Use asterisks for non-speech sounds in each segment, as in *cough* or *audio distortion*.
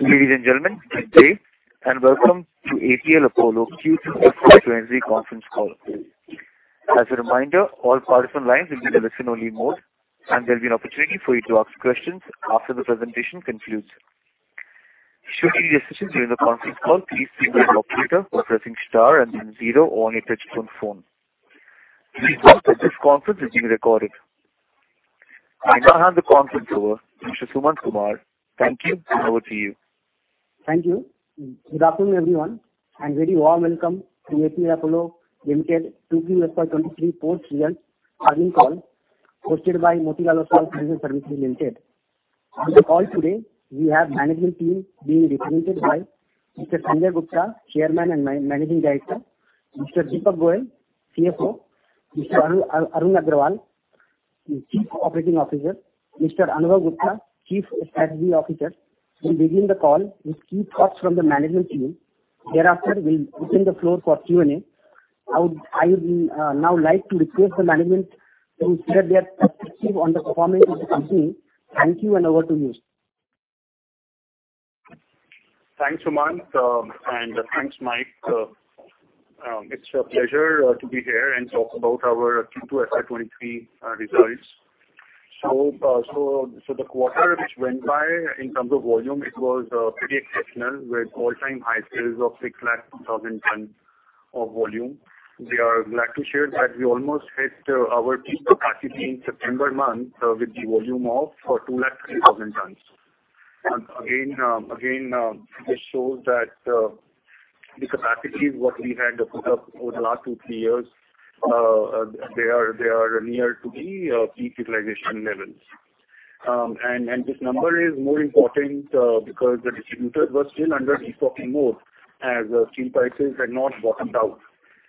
Ladies and gentlemen, good day, and welcome to APL Apollo Q2 FY 2023 conference call. As a reminder, all parties on lines will be in a listen-only mode, and there'll be an opportunity for you to ask questions after the presentation concludes. Should you need assistance during the conference call, please signal an operator by pressing star and then zero on your touch-tone phone. Please note that this conference is being recorded. I now hand the conference over to Mr. Sumant Kumar. Thank you and over to you. Thank you. Good afternoon, everyone, and very warm welcome to APL Apollo Limited Q2 FY 2023 post-results earnings call hosted by Motilal Oswal Financial Services Limited. On the call today we have management team being represented by Mr. Sanjay Gupta, Chairman and Managing Director, Mr. Deepak Goyal, CFO, Mr. Arun Agarwal, Chief Operating Officer, Mr. Anubhav Gupta, Chief Strategy Officer. We'll begin the call with key thoughts from the management team. Thereafter, we'll open the floor for Q&A. I would now like to request the management to share their perspective on the performance of the company. Thank you, and over to you. Thanks, Sumant, and thanks, Mike. It's a pleasure to be here and talk about our Q2 FY 2023 results. The quarter which went by in terms of volume, it was pretty exceptional with all-time high sales of 602,000 tons of volume. We are glad to share that we almost hit our peak capacity in September month with the volume of 203,000 tons. This shows that the capacities what we had put up over the last two, three years they are near to the peak utilization levels. This number is more important because the distributors were still under destocking mode as steel prices had not bottomed out.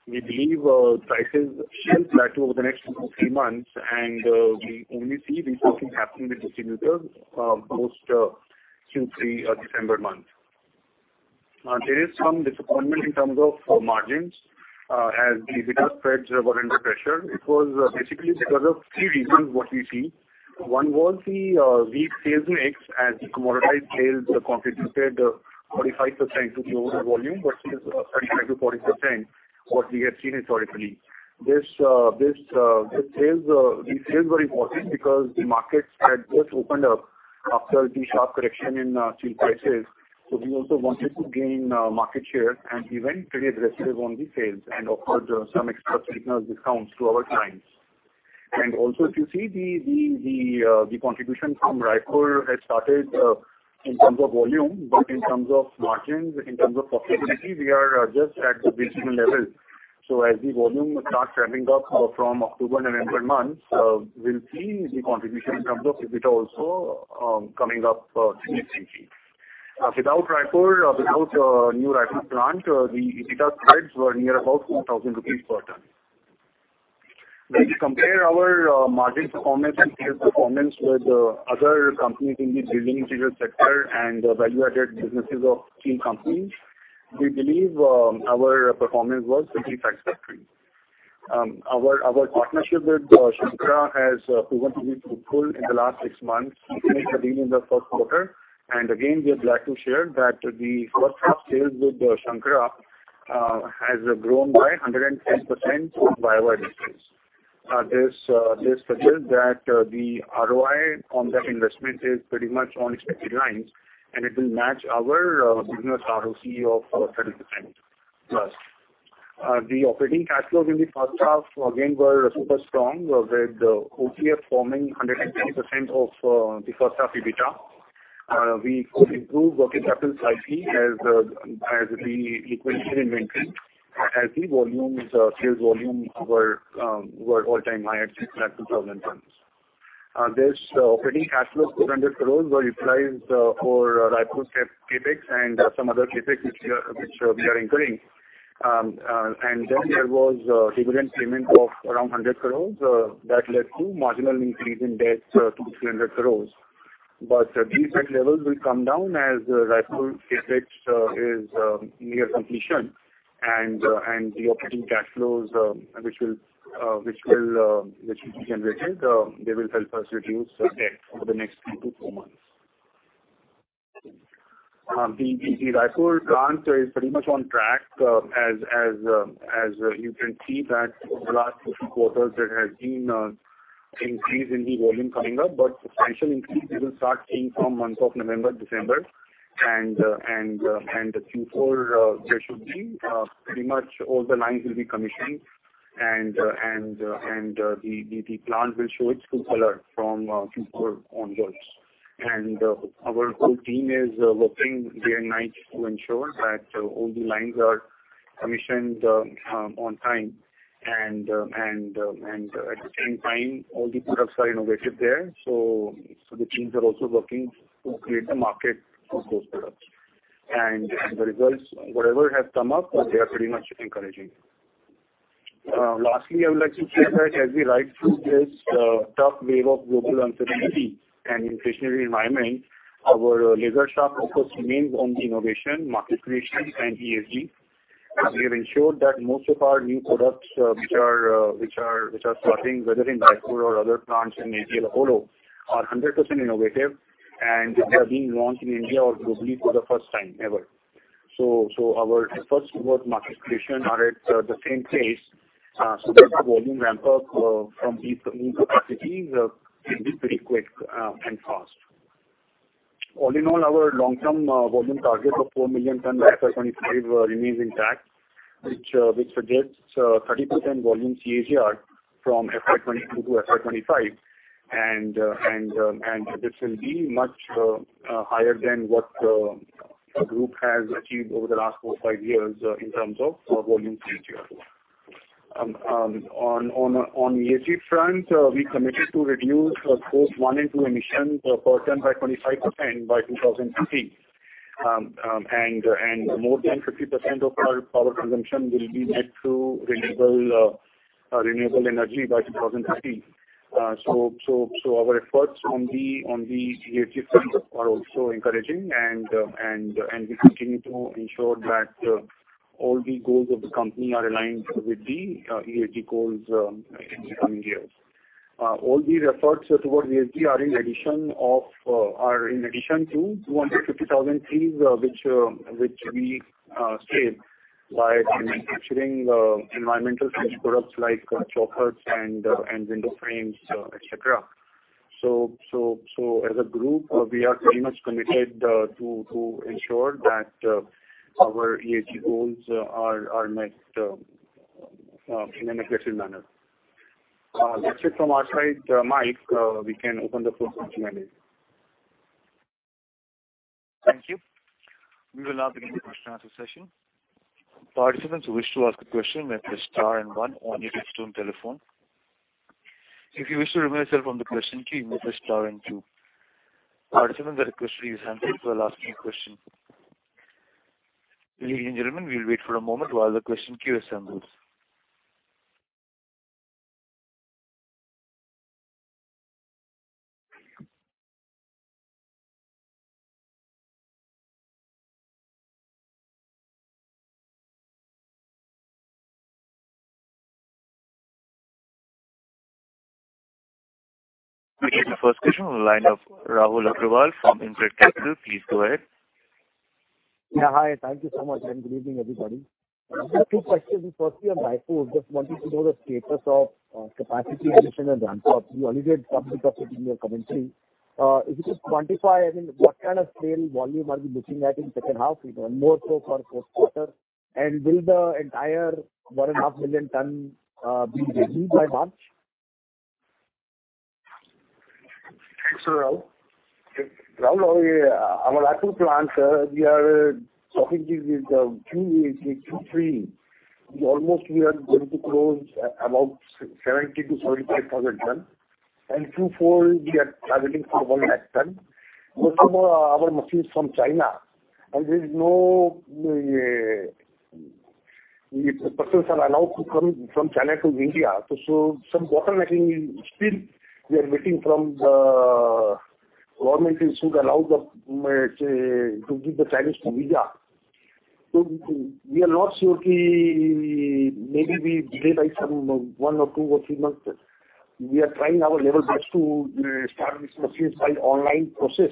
We believe prices should plateau over the next two, three months, and we only see destocking happen with distributors post Q3, December month. There is some disappointment in terms of margins, as the EBITDA spreads were under pressure. It was basically because of three reasons what we see. One was the weak sales mix as commoditized sales contributed 45% to the overall volume, but sales were 35%-40% what we had seen historically. This, the sales were important because the markets had just opened up after the sharp correction in steel prices. We also wanted to gain market share and even pretty aggressive on the sales and offered some extra special discounts to our clients. If you see the contribution from Raipur had started in terms of volume. In terms of margins, in terms of profitability, we are just at the breaking level. As the volume starts ramping up from October, November months, we'll see the contribution in terms of EBITDA also coming up significantly. Without Raipur, without new Raipur plant, the EBITDA spreads were near about 2,000 rupees per ton. When you compare our margin performance and sales performance with other companies in the building materials sector and the value-added businesses of steel companies, we believe our performance was pretty satisfactory. Our partnership with Shankara has proven to be fruitful in the last six months since the deal in the first quarter. We are glad to share that the first half sales with Shankara has grown by 110% YoY basis. This suggests that the ROI on that investment is pretty much on expected lines, and it will match our business ROC of 30%+. The operating cash flows in the first half again were super strong, with OCF forming 110% of the first half EBITDA. We could improve working capital slightly as we equalized inventory as the sales volume were all-time high at 602,000 tons. This operating cash flows, 200 crore were utilized for Raipur CapEx and some other CapEx which we are incurring. Then there was a dividend payment of around 100 crore that led to a marginal increase in debt, 200 crore-300 crore. These debt levels will come down as Raipur CapEx is near completion and the operating cash flows, which will be generated, they will help us reduce debt over the next 3-4 months. The Raipur plant is pretty much on track as you can see that over the last two, three quarters there has been increase in the volume coming up. Substantial increase we will start seeing from month of November, December. In Q4, there should be pretty much all the lines will be commissioned and the plant will show its full color from Q4 onwards. Our whole team is working day and night to ensure that all the lines are commissioned on time. At the same time, all the products are innovative there. The teams are also working to create the market for those products. The results, whatever have come up, they are pretty much encouraging. Lastly, I would like to share that as we ride through this tough wave of global uncertainty and inflationary environment, our laser sharp focus remains on the innovation, market creation and ESG. We have ensured that most of our new products, which are starting, whether in Raipur or other plants in Apollo are 100% innovative and they are being launched in India or globally for the first time ever. Our efforts towards market creation are at the same pace so that the volume ramp-up from these new capacities can be pretty quick and fast. All in all, our long-term volume target of 4 million tons by FY 2025 remains intact, which suggests 30% volume CAGR from FY 2022 to FY 2025. This will be much higher than what our group has achieved over the last four, five years in terms of our volume CAGR. On ESG front, we committed to reduce Scope 1 and 2 emissions per ton by 25% by 2050. More than 50% of our power consumption will be met through renewable energy by 2050. Our efforts on the ESG front are also encouraging and we continue to ensure that all the goals of the company are aligned with the ESG goals in the coming years. All the efforts towards ESG are in addition to 250,000 trees which we save by manufacturing environmental products like chaukhats and window frames, et cetera. As a group, we are very much committed to ensure that our ESG goals are met in an aggressive manner. That's it from our side. Mike, we can open the floor for Q&A. Thank you. We will now begin the question answer session. Participants who wish to ask a question may press star and one on your telephone. If you wish to remove yourself from the question queue, you may press star and two. Participants are requested to use hand raise while asking a question. Ladies and gentlemen, we will wait for a moment while the question queue assembles. We have the first question on the line of Rahul Agarwal from InCred Capital. Please go ahead. Yeah, hi. Thank you so much. Good evening, everybody. Just two questions. Firstly, on Raipur's, just wanted to know the status of capacity addition and ramp-up. You already had touched upon it in your commentary. If you could quantify, I mean, what kind of scale volume are we looking at in second half and more so for fourth quarter? And will the entire 1.5 million tons be ready by March? Thanks, Rahul. Rahul, our Raipur plant, we are talking with two or three. We almost are going to close about 70,000-75,000 tons. 2024 we are targeting for 1 lakh tons. Most of our machines from China, and there is no persons are allowed to come from China to India. So some bottlenecking still we are getting from the government. They should allow, say, to give the Chinese visa. So we are not sure, maybe we delay by some one or two or three months. We are trying our level best to start these machines by online process.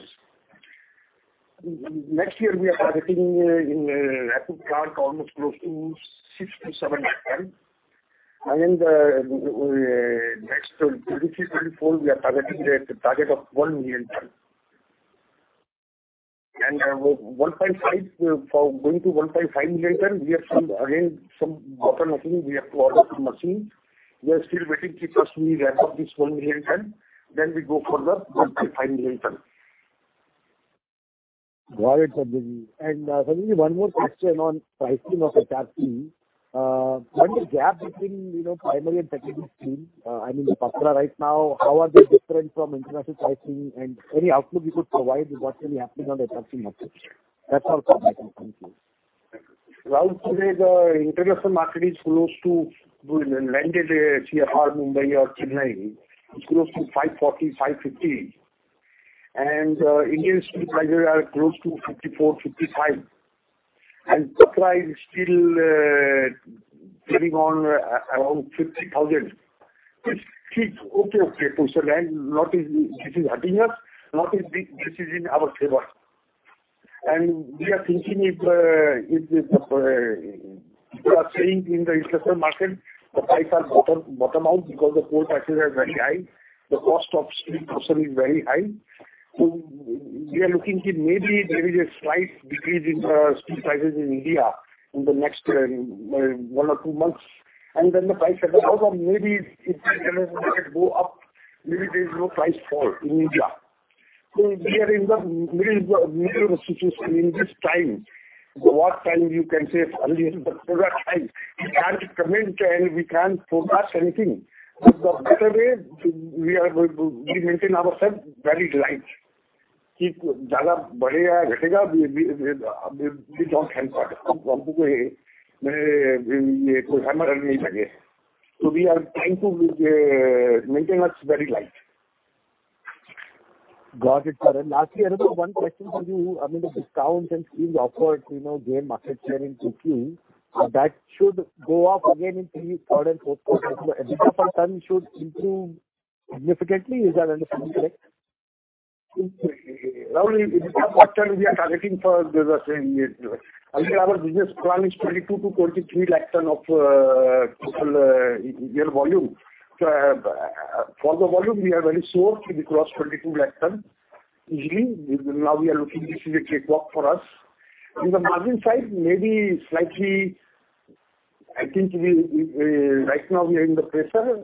Next year we are targeting in Raipur plant almost close to 6-7 lakh tons. Next 2023, 2024, we are targeting the target of 1 million tons. 1.5 for going to 1.5 million ton, we have some, again, some bottlenecking. We have to order some machines. We are still waiting. First we ramp up this 1 million ton, then we go further 1.5 million ton. Got it, Sanjay. And, one more question on pricing of. *audio distortion* What is the gap between, you know, primary and secondary steel? I mean, supply right now, how are they different from international pricing? Any outlook you could provide what will be happening on the HRC market? That's all from my side. Thank you. Rahul, today the international market is close to landed CFR Mumbai or Chennai. It's close to $540-$550. Indian steel prices are close to 54,000-55,000. Supply is still trading around 50,000. It's okay to sell and now, is this hurting us? Now, is this in our favor? We are thinking if the people are saying in the international market the prices are bottom out because the coal prices are very high, the cost of steel production is very high. We are looking to maybe there is a slight decrease in steel prices in India in the next one or two months, and then the price level out. Maybe if the international market go up, maybe there is no price fall in India. We are in the middle situation in this time. What time you can say early, but for that time we can't commit and we can't forecast anything. The better way we are maintain ourselves very light. We are trying to maintain ourselves very light. Got it, sir. Lastly, Arun, one question for you. I mean, the discounts and schemes offered to, you know, gain market share in coating, that should go up again in third and fourth quarter. EBITDA for ton should improve significantly. Is that understanding correct? Rahul, EBITDA for ton we are targeting for the same year. I think our business plan is 22-23 lakh tons of total yearly volume. For the volume, we are very sure we will cross 22 lakh tons easily. Now we are looking this is a cakewalk for us. On the margin side, maybe slightly, I think we right now are under pressure.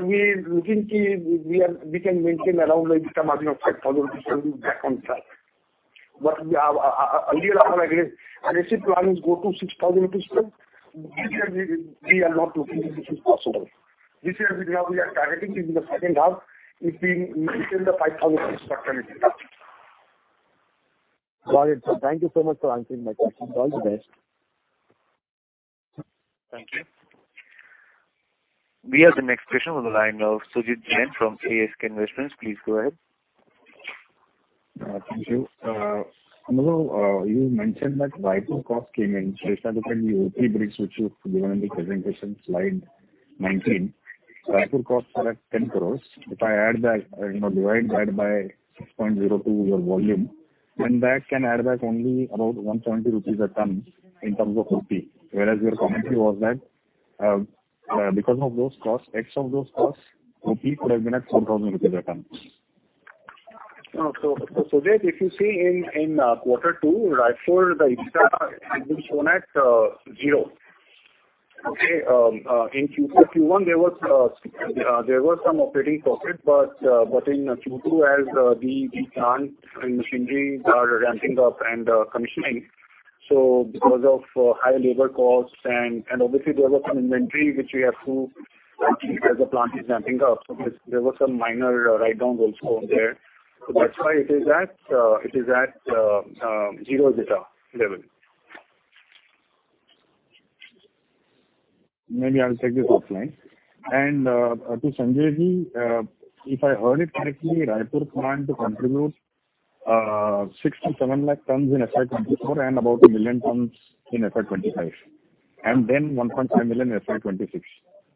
We can maintain around like the margin of 5,000 rupees; it should be back on track. Our earlier, I guess, realization plan is to go to 6,000 per ton. This year we are not looking. This is possible. This year now we are targeting in the second half if we maintain the INR 5,000 per ton, it is enough. Got it, sir. Thank you so much for answering my questions. All the best. Thank you. We have the next question on the line of Sujit Jain from ASK Investments. Please go ahead. Thank you. Anubhav, you mentioned that Raipur cost came in less than the OpEx, which you've given in the presentation slide 19. Raipur cost were at 10 crore. If I add that, you know, divide that by 6.02 your volume, then that can add back only about 170 rupees a ton in terms of OpEx. Whereas your commentary was that, because of those costs, excess of those costs, OpEx could have been at INR 4,000 a ton. No. So Sujit, if you see in quarter two, Raipur, the EBITDA has been shown at zero. In Q1 there was some operating profit, but in Q2 as the plant and machinery are ramping up and commissioning, so because of high labor costs and obviously there were some inventory which we have to keep as the plant is ramping up. There were some minor write-downs also there. That's why it is at zero EBITDA level. Maybe I'll take this offline. To Sanjay ji, if I heard it correctly, Raipur plant to contribute 6-7 lakh tons in FY 2024 and about 1 million tons in FY 2025, and then 1.5 million in FY 2026.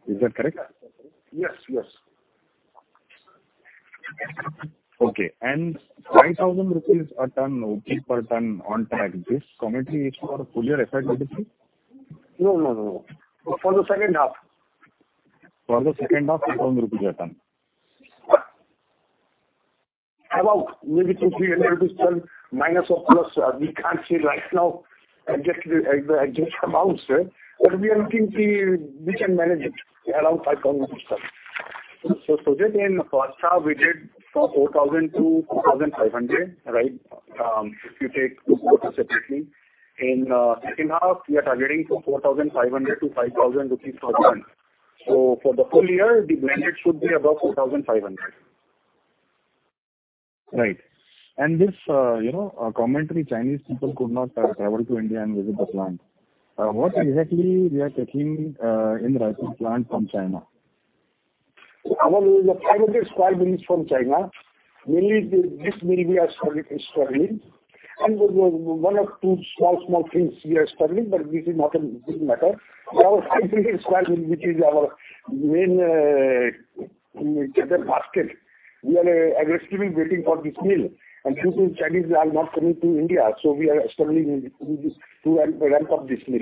Is that correct? Yes. Yes. Okay. 5,000 rupees a ton, OpEx per ton on track. This commentary is for full year FY 2023? No. For the second half. For the second half, INR 5,000 a ton. Maybe INR 200-INR 300 per ton, plus or minus. We can't say right now exact amounts. But we can manage it around INR 5,000 per ton. Sujit, in first half we did 4,000-4,500, right? If you take two quarters separately. In second half we are targeting 4,500-5,000 rupees per ton. For the full year, the blended should be above 4,500. Right. This, you know, commentary Chinese people could not travel to India and visit the plant. What exactly we are taking in Raipur plant from China? Our primary square steel is from China. Mainly this will be our struggle. There's one or two small things we are struggling, but this is not a big matter. Our 500 mm square mill, which is our main bread and butter business, we are aggressively waiting for this mill. Since the Chinese are not coming to India, so we are struggling with this to ramp up this mill.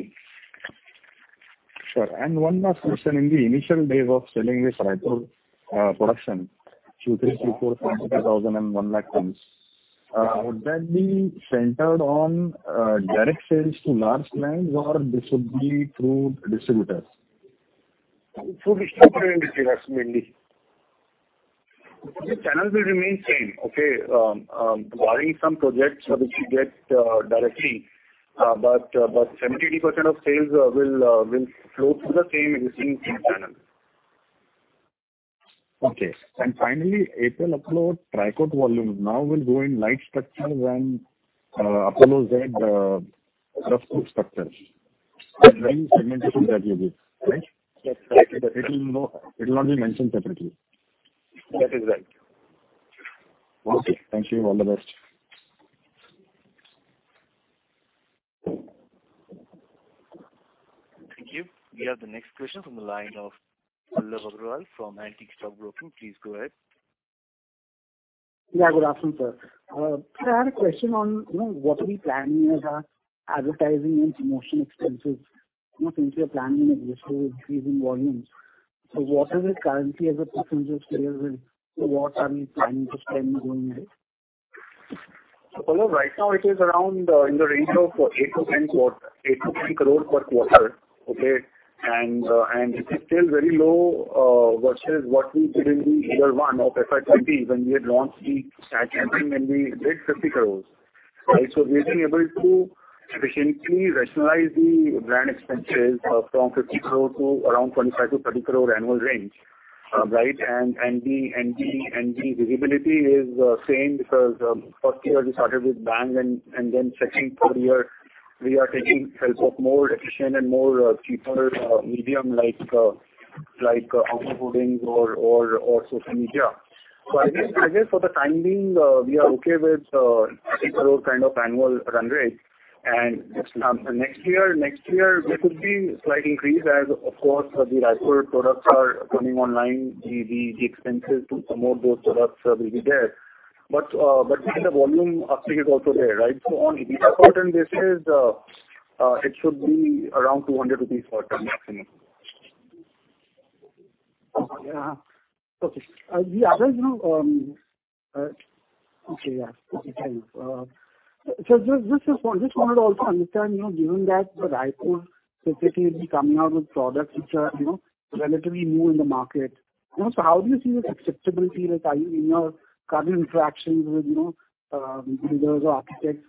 Sure. One last question. In the initial days of selling this Raipur production, Q3, Q4, 75,000 and 1 lakh tons, would that be centered on direct sales to large plants or this would be through distributors? Through distributors, that's mainly. The channels will remain same, okay? Barring some projects which we get directly, but 70%-80% of sales will flow through the same existing channel. Okay. Finally, Apollo Tricoat volumes now will go in light structures and Apollo Z, roofing structures. The same segmentation that you give, right? That's right. It will not be mentioned separately. That is right. Okay. Thank you. All the best. Thank you. We have the next question from the line of Pallav Agrawal from Antique Stock Broking. Please go ahead. Yeah, good afternoon, sir. I had a question on, you know, what are we planning as our advertising and promotion expenses? You know, since you are planning aggressive increase in volumes. What is it currently as a percentage of sales and what are we planning to spend going ahead? Pallav, right now it is around in the range of 8 crore-10 crore per quarter. Okay? And it is still very low versus what we did in the year one of FY 2020 when we had launched the brand when we did 50 crore. Right? We've been able to efficiently rationalize the brand expenses from 50 crore to around 25 crore-30 crore annual range. Right? And the visibility is same because first year we started with bang and then second full year we are taking help of more efficient and more cheaper medium like outdoor hoarding or social media. I guess for the time being we are okay with 8 crore kind of annual run rate. Next year there could be slight increase as, of course, the Raipur products are coming online. The expenses to promote those products will be there. Still the volume uptick is also there, right? On EBITDA margin basis, it should be around INR 200 per ton maximum. Just wanted to also understand, you know, given that the Raipur specifically will be coming out with products which are, you know, relatively new in the market. You know, so how do you see the acceptability like, are you in your current interactions with, you know, builders or architects?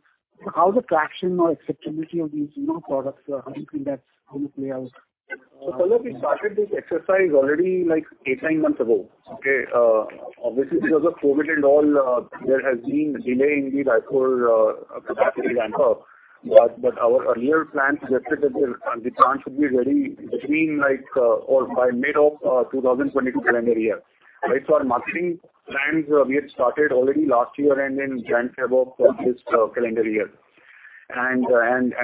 How's the traction or acceptability of these, you know, products? How do you think that's gonna play out? First we started this exercise already like eight, nine months ago, okay? Obviously because of COVID and all, there has been delay in the Raipur capacity ramp up. Our earlier plans were such that the plant should be ready between or by mid of 2022 calendar year, right? Our marketing plans, we had started already last year and in January for this calendar year. There are like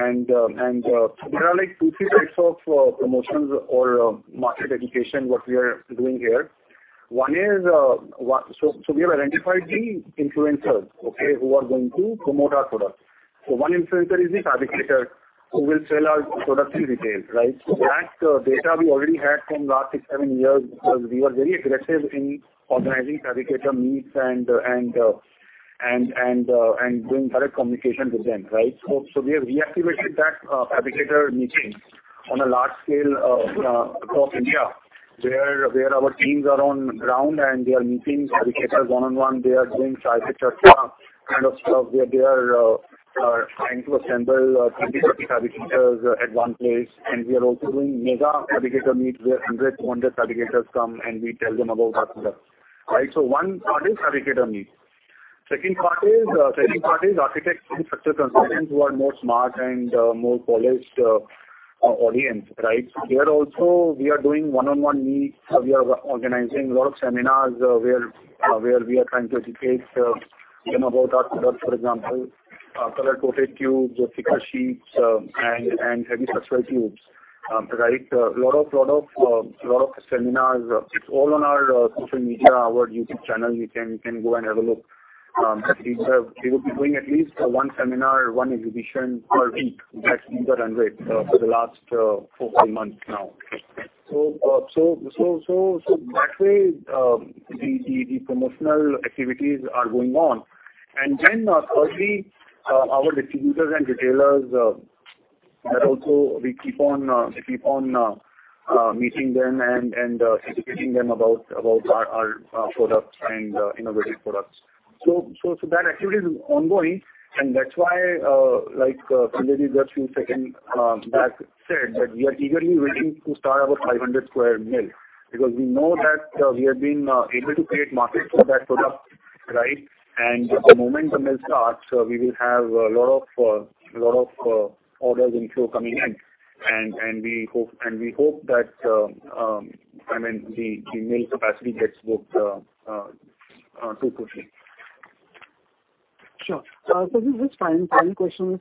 two, three types of promotions or market education what we are doing here. One is we have identified the influencers, okay? Who are going to promote our products. One influencer is the fabricator who will sell our products in retail, right? That data we already had from last six, seven years because we were very aggressive in organizing fabricator meets and doing direct communication with them, right? We have reactivated that fabricator meetings on a large scale across India, where our teams are on ground and they are meeting fabricators one-on-one. They are doing site charcha kind of stuff, where they are trying to assemble 20, 30 fabricators at one place. We are also doing mega fabricator meets where 100, 200 fabricators come and we tell them about our products, right? One part is fabricator meets. Second part is architects and structure consultants who are more smart and more polished audience, right? Here also we are doing one-on-one meets. We are organizing a lot of seminars where we are trying to educate them about our products. For example, color coated tubes or thicker sheets, and heavy structural tubes, right? A lot of seminars. It's all on our social media, our YouTube channel. You can go and have a look. We would be doing at least one seminar, one exhibition per week at this run rate, for the last four, five months now. That way, the promotional activities are going on. Thirdly, our distributors and retailers, that also we keep on meeting them and educating them about our products and innovative products. That activity is ongoing, and that's why, like, Sanjay just a few seconds back said that we are eagerly waiting to start our 500 mm square pipe. Because we know that we have been able to create market for that product, right? The moment the mill starts, we will have a lot of orders inflow coming in. We hope that, I mean, the mill capacity gets booked to fruition. Sure. Just final question.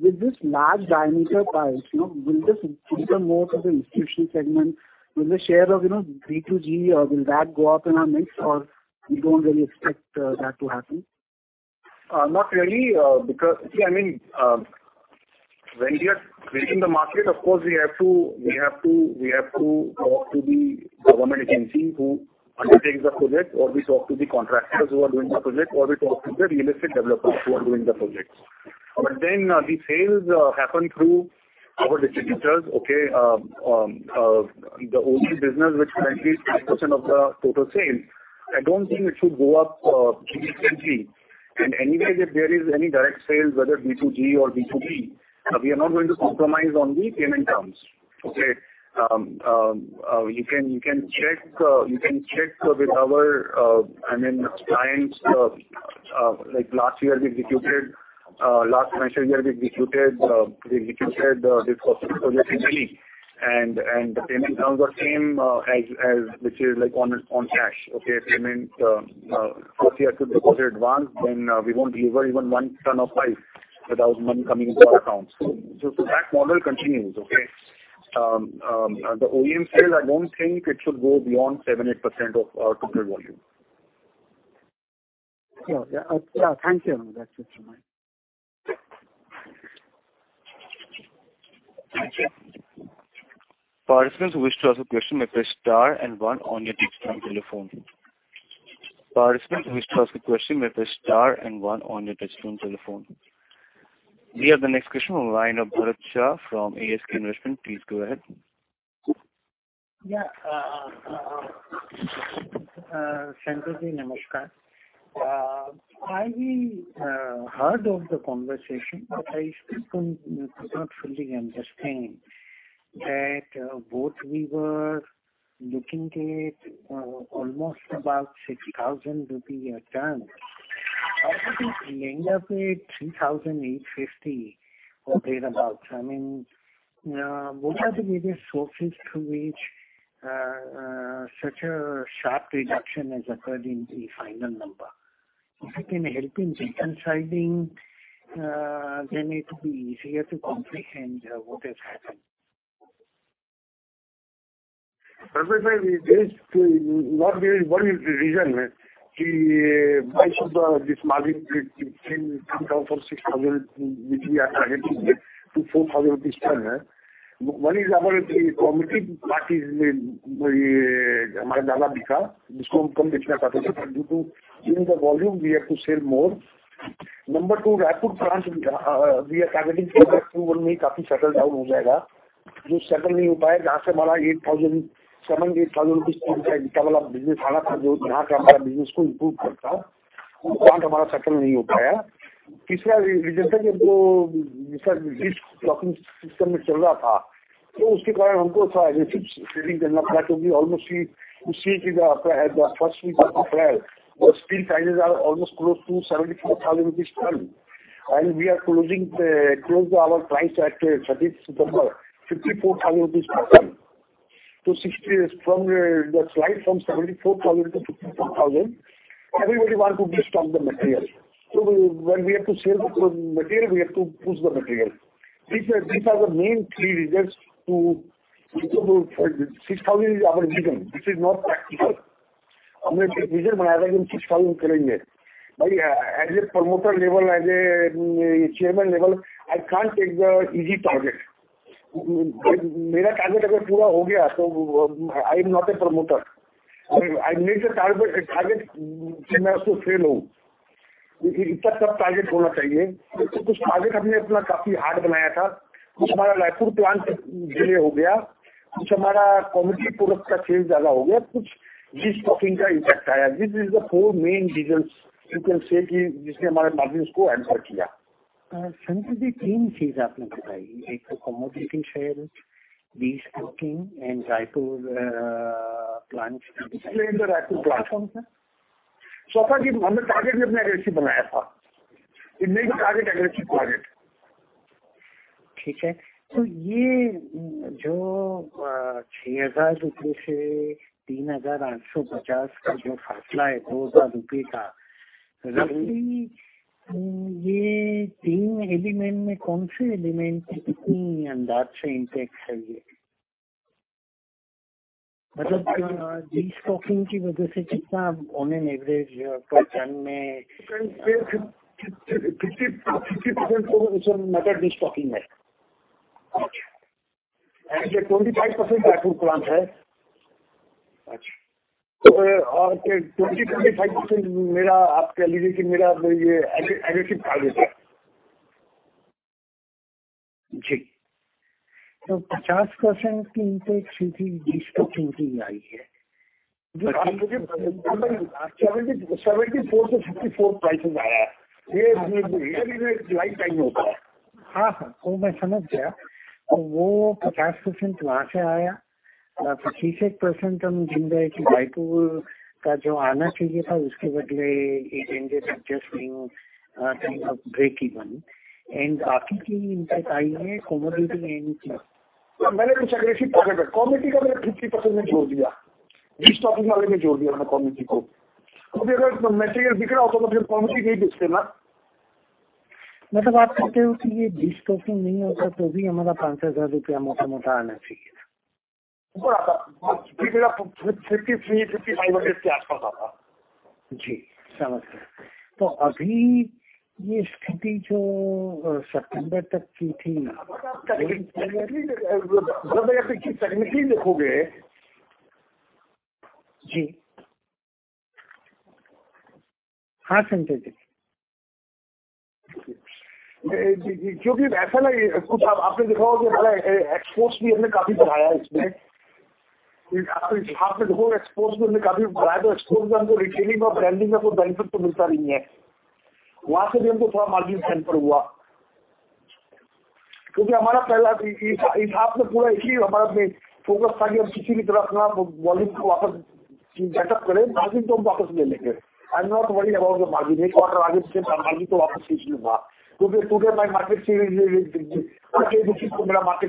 With this large diameter pipes, you know, will this cater more to the institutional segment? Will the share of, you know, B2G, will that go up in our mix or you don't really expect that to happen? Not really, see, I mean, when we are creating the market, of course, we have to talk to the government agency who undertakes the project, or we talk to the contractors who are doing the project, or we talk to the real estate developers who are doing the projects. The sales happen through our distributors, okay? The OEM business, which currently is 5% of the total sales, I don't think it should go up significantly. Anyway, if there is any direct sales, whether B2G or B2B, we are not going to compromise on the payment terms. Okay? You can check with our, I mean, clients. Like last financial year we executed this project in *audio distortion* and the payment terms were same as which is like on cash. Okay? Payment first we have to deposit advance, then we won't deliver even one ton of pipe without money coming into our accounts. That model continues. Okay? The OEM sales, I don't think it should go beyond 7%-8% of our total volume. Sure. Yeah. Yeah. Thank you. That's it from my end. Thank you. Participants who wish to ask a question may press star and one on your touch-tone telephone. We have the next question from Bharat Shah from ASK Investment. Please go ahead. Sanjay ji, namaskar. I really heard of the conversation, but I still could not fully understand that both we were looking at almost about 6,000 rupee a ton. 3,850 or thereabouts. I mean, what are the various sources through which such a sharp reduction has occurred in the final number? If you can help in reconciling, then it will be easier to comprehend what has happened. Not very. One reason. Why should this margin from INR 3,000 to 6,000 per ton to 4,000 this time. One is our commodity prices in India because due to increase the volume, we have to sell more. Number two Raipur plant, we are targeting settled down. Settle INR 8,000, INR 7,000-INR 8,000 business improve. Plant settle. Third reason almost, see, the first week of April. The steel prices rose almost to 74,000 rupees per ton, and our closing price at 30th September 54,000 rupees per ton too. See from the slide from 74,000 to 54,000. Everybody want to de-stock the material. So when we have to sell the material, we have to push the material. These are, these are the main three reasons to 6,000 is our reason. This is not practical. INR 6,000. As a promoter level, as a chairman level, I can't take the easy target. I'm not a promoter. Impact the target sales. Target commodity product sales. This stocking impact. This is the four main reasons you can say margins. Three things. One, commodity sales, destocking and Raipur plant. Raipur plant. Which one sir? So far, target aggressive. Okay. INR 6,000-INR 3,850, INR 2,000. These three element impact. Destocking on an average per ton. 50% destocking. 25% Raipur plant. 20%-25% you can take my aggressive target. Ji. 50% impact destocking. INR 74,000-INR 54,000 prices. July time. Yes, I understand. 50% 35% Raipur should come. Instead it ended up just being breakeven. Impact commodity. Commodity 50% destocking, commodity. Material commodity. Destocking not there, INR 5,000. 33, 35 around. Ji, understand. September. Technical. Ji. Yes. Because export increased. Export retailing, branding benefit. Margin suffered. Focus volume set up. Margin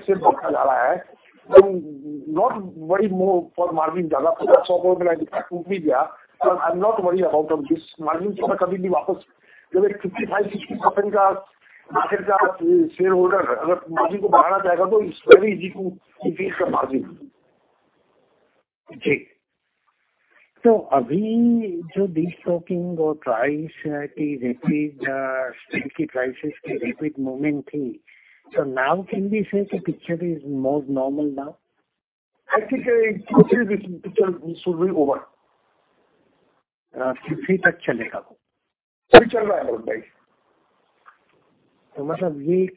take. I'm not worried about the margin. One quarter margin. Today my market share. I'm not worried more for margin. INR 100 crore impact. I'm not worried about this margin 55%-60% shareholder. Margin easy to increase the margin. Ji. Destocking or price, rapid steel prices, rapid movement. Now can we say the picture is more normal now? I think this picture should be over. Till when? Still going on. This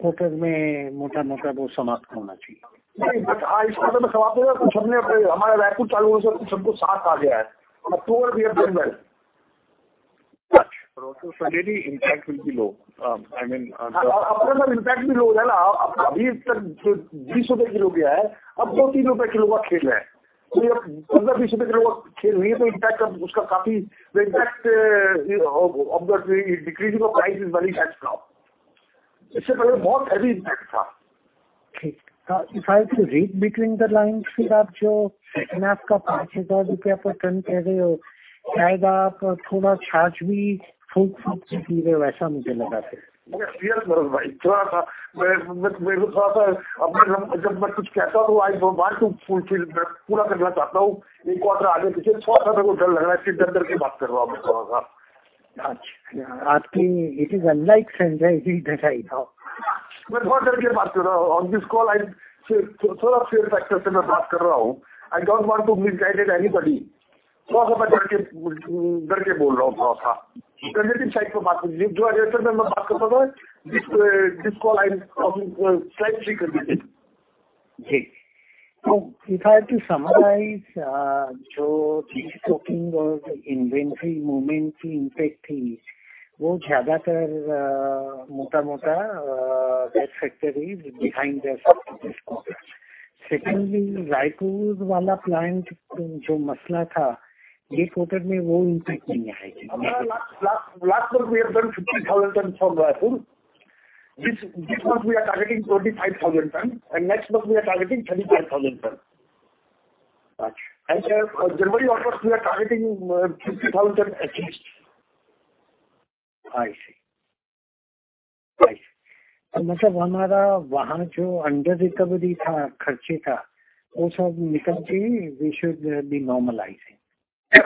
quarter should be over. This quarter, overall, Raipur 70%. We have done well. Suddenly impact will be low. I mean अब तो sir impact भी low है ना। अभी तक जो INR 200/kg है, अब INR 2/kg-INR 3/kg का खेल है। तो ये अब INR 15/kg-INR 20/kg का खेल नहीं है, तो impact उसका काफी impact of the decreasing of price is very less now. इससे पहले बहुत heavy impact था. ठीक। If I have to read between the lines, फिर आप जो नाफका INR 5,000 per ton कह रहे हो, शायद आप थोड़ा charge भी full full से ले रहे हो, ऐसा मुझे लगा. हां भाई, थोड़ा सा। मेरे को थोड़ा सा, अब जब मैं कुछ कहता हूं, I want to fulfill. मैं पूरा करना चाहता हूं। एक-आध बात आगे-पीछे थोड़ा सा, मेरे को डर लग रहा है। इसलिए डर-डर के बात कर रहा हूं मैं थोड़ा सा. Achha. Aapki. It is unlike Sanjay ji that I know. मैं थोड़ा डर के बात कर रहा हूं। On this call I थोड़ा fear factor से मैं बात कर रहा हूं। I don't want to misguide anybody. थोड़ा सा डर के, डर के बोल रहा हूं थोड़ा सा. Positive side से बात की जो negative मैं बात करता हूं ना, this call I am slightly confused. Ji, if I have to summarize jo this talking was inventory movement ki impact thi, wo zyadatar mota-mota that factor is behind the surface. Secondly, Raipur wala plant jo masla tha, is quarter mein wo impact nahi aayegi. Last month we have done 15,000 tons from Raipur. This month we are targeting 25,000 tons and next month we are targeting 35,000 tons. January, August we are targeting 50,000 tons at least. मतलब हमारा वहां जो under recovery था खर्चे का, वो सब निकल के we should be normalizing. उसमें थोड़ा सा ये भी था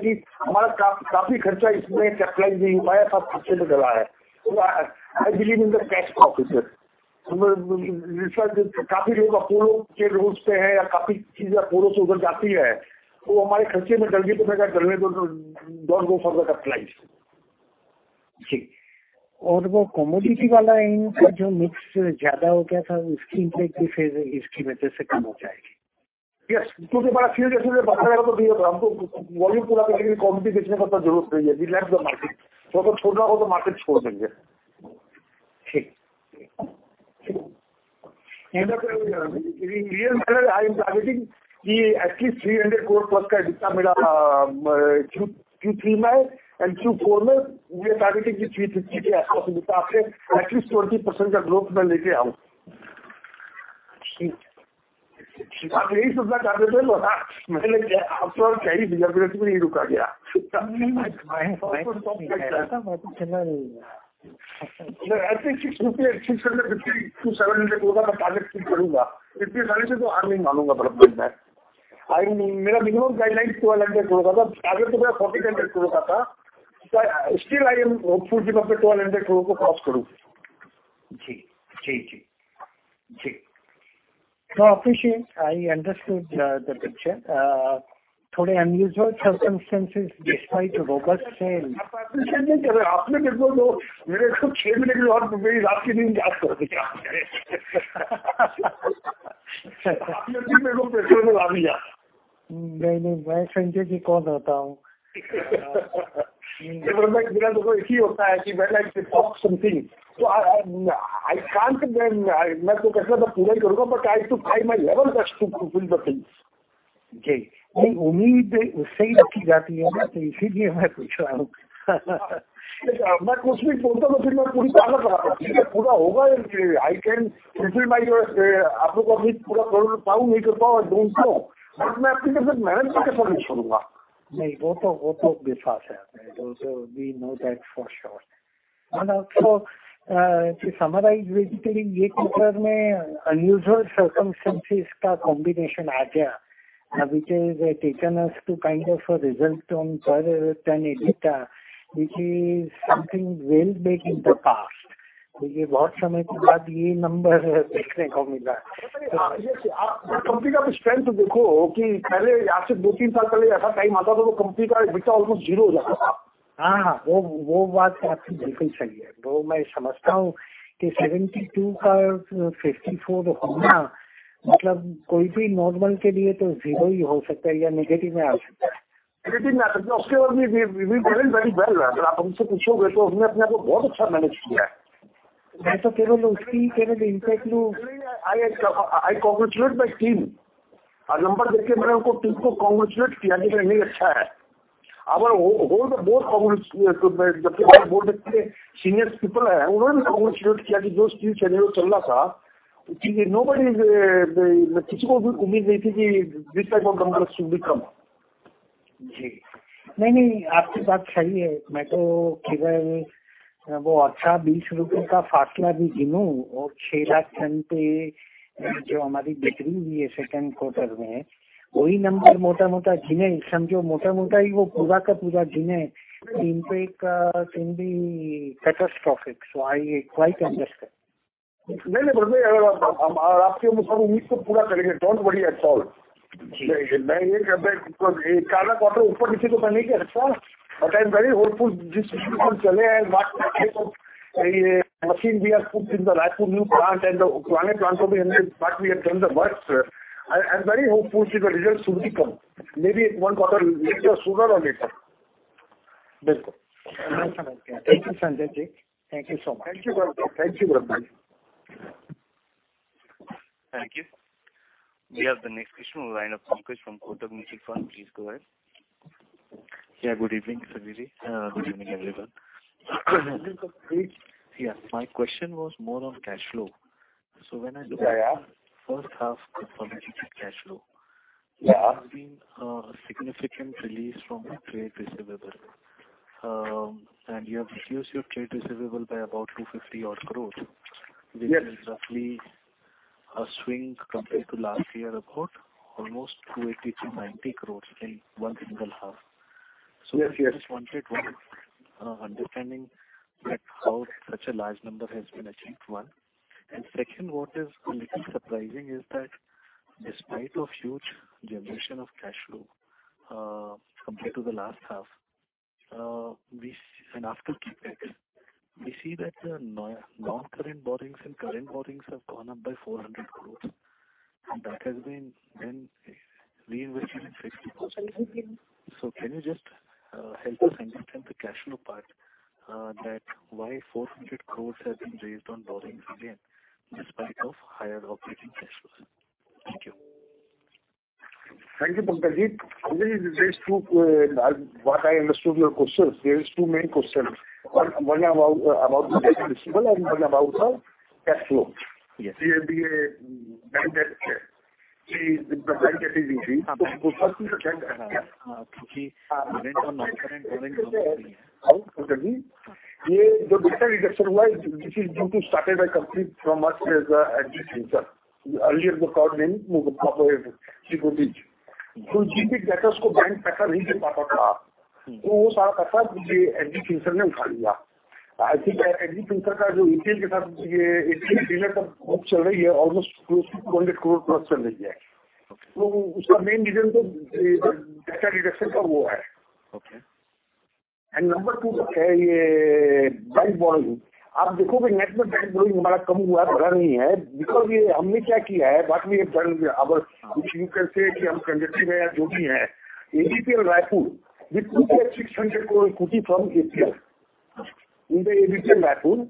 कि हमारा काफी खर्चा इसमें capitalize नहीं हुआ है। सब खर्चे में गया है। I believe in the cash profit sir. काफी लोग Apollo के roads पे है या काफी चीज Apollo से उधर जाती है। वो हमारे खर्चे में चल गई तो मैं कहूंगा done go for the capitalize. और वो commodity वाला जो mix ज्यादा हो गया था, उसकी impact भी फिर इसकी वजह से कम हो जाएगी. क्योंकि बड़ा series में बात करें तो volume पूरा करने के लिए competition में करना जरूरी है। We left the market. वो तो छोटा हो तो market छोड़ देंगे. ठीक. In a real manner, I am targeting कि at least 300 crore+ का EBITDA मेरा Q3 में and Q4 में we are targeting 350 crore के आसपास EBITDA से at least 20% का growth मैं लेके आऊं. ठीक. आप यही समझा कर रहे थे ना। मैंने आपको और कहीं digress भी नहीं रुका गया. नहीं, नहीं. कम से कम INR 650-INR 670 से INR 700 का target keep करूंगा। INR 50 से तो above मानूंगा मैं अपने आप को। मेरा minimum guideline INR 1,200 का था। पहले तो मेरा INR 40 का था। Still I am hopeful कि मैं INR 1,200 को cross करूं. Yes. I appreciate. I understood the picture. Some unusual circumstances despite robust sales. आपने देखो तो मेरे को 6 मिनट में आप मेरी रात की नींद याद कर दिया। आपने मुझे मेरे को पेस में ला दिया. नहीं, नहीं। मैं Sanjayजी को जानता हूं. Mera to ek hi hota hai ki when I talk something to main to kehta hoon poora hi karunga but I have to try my level best to fulfill the things. जी, वो उम्मीद उससे रखी जाती है, इसीलिए मैंने पूछा आपको. मैं कुछ भी बोलता हूं, फिर मैं पूरी तो अलग बात है। ठीक है। पूरा होगा। I can fulfill my आपको कभी पूरा करना पड़े या नहीं तो I don't know. But मैं application manage करके तो करूंगा. नहीं, वो तो विश्वास है हमें। We know that for sure. Also to summarize basically, इस quarter में unusual circumstances का combination आ गया which has taken us to kind of a result on per ton EBITDA which is something well back in the past. क्योंकि बहुत समय के बाद ये number देखने को मिला है. आप company का भी strength देखो कि पहले आज से दो-तीन साल पहले ऐसा time आता था तो company का EBITDA almost zero हो जाता था. हां, वो बात आपकी बिल्कुल सही है। वो मैं समझता हूं कि 72 का 54 होना, मतलब कोई भी normal के लिए तो zero ही हो सकता है या negative में आ सकता है. Negative में आ सकता है। उसके बाद भी we will very well. अगर आप हमसे पूछोगे तो हमने अपने आप को बहुत अच्छा manage किया है. मैं तो केवल उसकी केवल impact को. मैं अपनी team को congratulate करता हूँ। और number देख के मैंने उनको team को congratulate किया कि इतना अच्छा है। हमारे whole board, जबकि whole board के senior people हैं, उन्होंने भी congratulate किया कि जो team chain जो चल रहा था, कि nobody किसी को भी उम्मीद नहीं थी कि this type of numbers should come. जी, नहीं, नहीं, आपकी बात सही है। मैं तो केवल वो अच्छा ₹20 का फासला भी गिनूं और 6 लाख ton पे जो हमारी बिक्री हुई है second quarter में, वही number मोटा-मोटा गिनें, समझो मोटा-मोटा ही वो पूरा का पूरा गिनें, impact can be catastrophic. So I quite understand. No, no, aapke anusaar ummeed to poora karenge. Don't worry at all. Main ye kah raha hoon ki kaala quarter upar-neeche to kabhi nahi rehta. I am very hopeful jis speed se chale hain what we have done. Machine we have put in the Raipur new plant and the purane plant ko bhi in which what we have done the work. I am very hopeful ki the results should come. Maybe one quarter later sooner or later. Thank you, Sanjay. Thank you so much. Thank you very much. Thank you very much. Thank you. We have the next question on the line of Pankaj from Kotak Mutual Fund. Please go ahead. Yeah, good evening, Sujit. Good evening, everyone. Good evening. Yeah. My question was more on cash flow. When I look at. Yeah, yeah. First half consolidated cash flow. Yeah. There's been a significant release from the trade receivable. You have reduced your trade receivable by about 250 crore. Yes. Which is roughly a swing compared to last year, about almost 280 crore-290 crores in one single half. Yes, yes. I just wanted one understanding that how such a large number has been achieved, one. Second, what is a little surprising is that despite of huge generation of cash flow, compared to the last half, and after CapEx, we see that the non-current borrowings and current borrowings have gone up by 400 crore, and that has been then reinvested in fixed deposits. Can you just help us understand the cash flow part, that why 400 crore have been raised on borrowings again despite of higher operating cash flows? Thank you. Thank you, Pankaj ji. There is two, what I understood your questions, there is two main questions. One about the trade receivable and one about cash flow. Yes. The bank debt. The bank category. Yes. Because interest on non-current borrowings also. Pankaj, the debtor reduction this is due to started a company from us as a SG Finserve. Earlier the current name was Siprotech. I think SG Finserve almost INR 200+ crore. The main reason for debtor reduction. Okay. Number two, because which you can say ADPL Raipur, we took a INR 600 crore equity from ATL in the ADPL Raipur.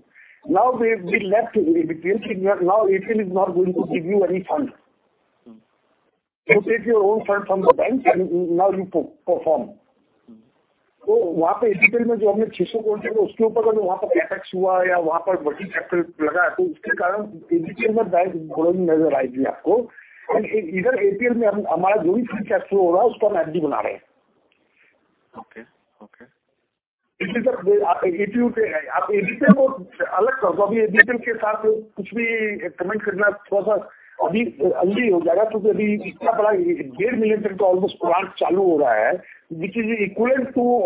Now they've been left to ADPL. Now ATL is not going to give you any fund. Take your own fund from the banks and now you perform. Okay. Okay. Which is equivalent to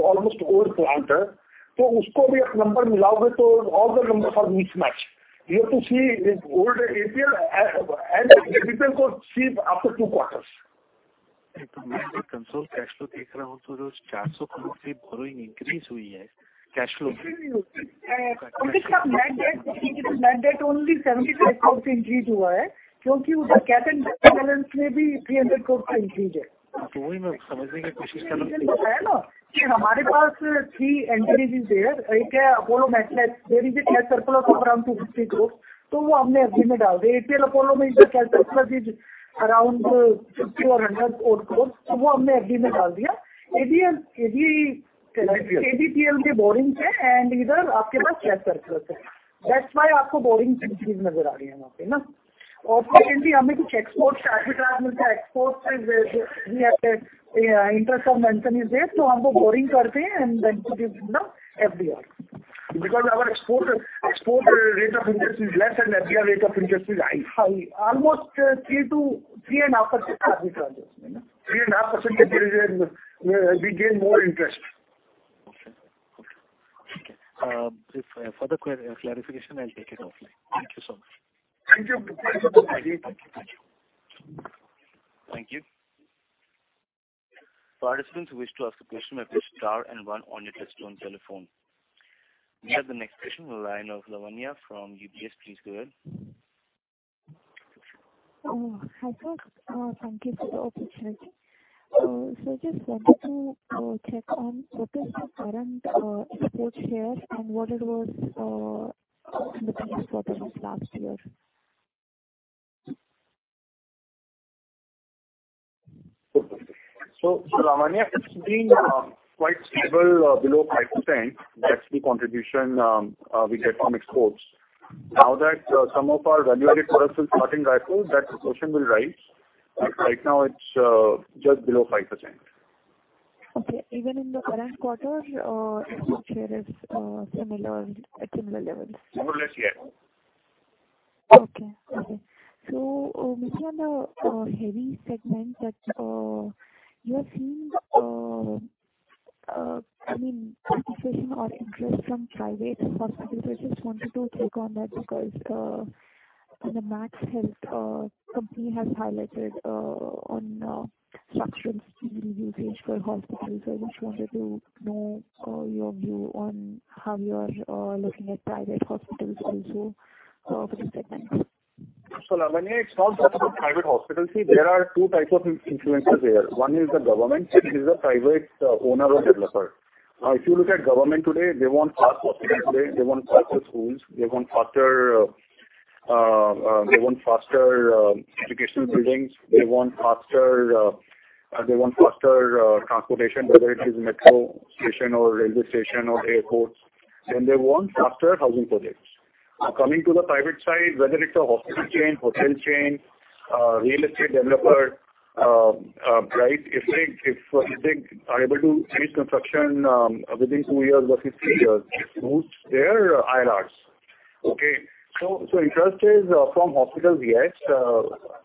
almost old plant. All the numbers are mismatched. You have to see old APL and ADPL consolidated after two quarters. When I see consolidated cash flow, borrowing increase cash flow. Net debt only INR 75 crore increase. INR 300 crore increase. Three entities are there. One is Apollo Metalex. There is a cash surplus of around INR 250 crore. APL Apollo has a cash surplus of around 50 or 100-odd crore. ADPL borrowings and their cash surplus. That's why borrowings increase. Secondly, exports. We have to incur interest component. There borrowings and then to give them FDR. Because our export rate of interest is less and FDR rate of interest is high. Hi. Almost 3%-3.5% are the charges. 3.5% we gain more interest. Okay. For the query clarification, I'll take it offline. Thank you so much. Thank you. Thank you. Thank you. Participants who wish to ask a question may press star and one on your touchtone telephone. We have the next question on the line of Lavanya from UBS. Please go ahead. Hi, sir. Thank you for the opportunity. I just wanted to check on what is the current export share and what it was in the previous quarters last year? Lavanya, it's been quite stable below 5%. That's the contribution we get from exports. Now that some of our value-added products are starting in Raipur, that proportion will rise. Right now it's just below 5%. Okay. Even in the current quarter, export share is similar, at similar levels? More or less, yes. Mr. Anubhav, heavy segment that you are seeing, I mean, participation or interest from private hospitals. I just wanted to check on that because the Max Healthcare company has highlighted on substantial usage for hospitals. I just wanted to know your view on how you are looking at private hospitals also for this segment. Lavanya, it's not just about private hospitals. See, there are two types of influencers there. One is the government and this is a private owner or developer. If you look at government today, they want fast hospitals today, they want faster schools, they want faster educational buildings. They want faster transportation, whether it is metro station or railway station or airports, and they want faster housing projects. Coming to the private side, whether it's a hospital chain, hotel chain, real estate developer, right, if they are able to finish construction within two years versus three years, it boosts their IRRs. Okay. Interest is from hospitals, yes.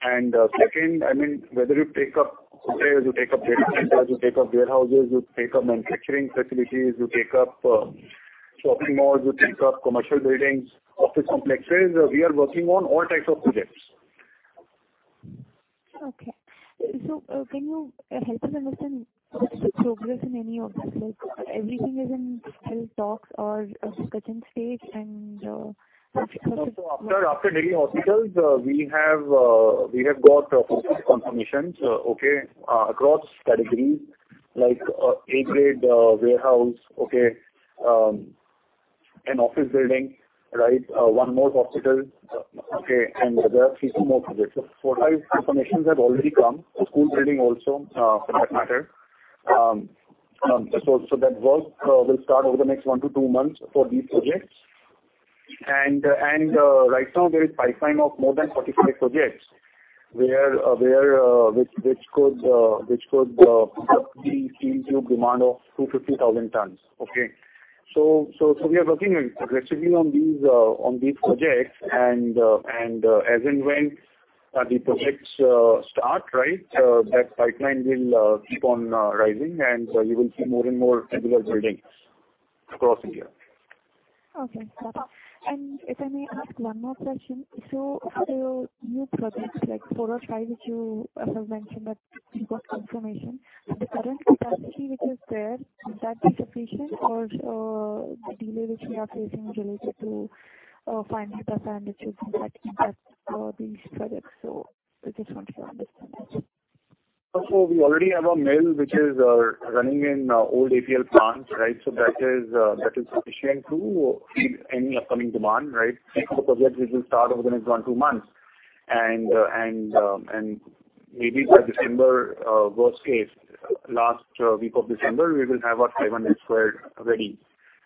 Second, I mean, whether you take up hotels, you take up data centers, you take up warehouses, you take up manufacturing facilities, you take up shopping malls, you take up commercial buildings, office complexes, we are working on all types of projects. Can you help us understand what's the progress in any of these? Like, everything is still in talks or discussion stage and After Delhi hospitals, we have got 4-6 confirmations across categories like A-grade warehouse, an office building, one more hospital, and there are three more projects. Four or five confirmations have already come. A school building also, for that matter. That work will start over the next 1-2 months for these projects. Right now there is pipeline of more than 45 projects which could bring into demand of 250,000 tons. We are working aggressively on these projects and, as and when the projects start, right, that pipeline will keep on rising, and you will see more and more tubular buildings across India. Okay. Got it. If I may ask one more question. For your new projects, like four or five which you have mentioned that you got confirmation, the current capacity which is there, would that be sufficient or the delay which you are facing related to final payment which will in fact impact these projects? I just want to understand that. We already have a mill which is running in old APL plants, right? That is sufficient to feed any upcoming demand, right? Any new projects which will start over the next one, two months. And maybe by December, worst case, last week of December, we will have our 500 mm sq ready,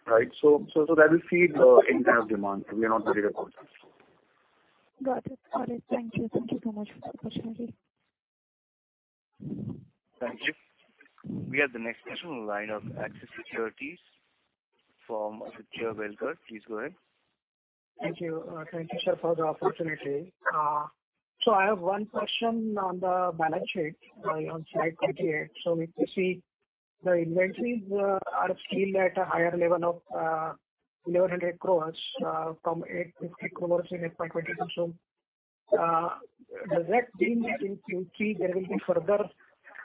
right? That will feed the entire demand. We are not worried about that. Got it. Thank you so much for the opportunity. Thank you. We have the next question on the line of Axis Securities from Aditya Welekar. Please go ahead. Thank you. Thank you, sir, for the opportunity. I have one question on the balance sheet on slide 28. We see the inventories are still at a higher level of near 100 crores from 850 crores in FY 2022. Does that mean that in Q3 there will be further